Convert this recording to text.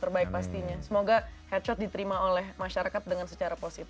terbaik pastinya semoga headchood diterima oleh masyarakat dengan secara positif